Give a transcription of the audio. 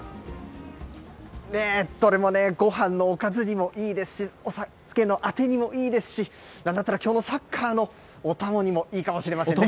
どれもごはんのおかずにもいいですし、お酒のあてにもいいですし、なんだったらきょうのサッカーのお供にもいいかもしれませんね。